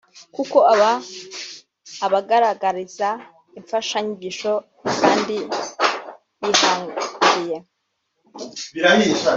kuko aba abagaragariza imfasha nyigisho kandi yihangiye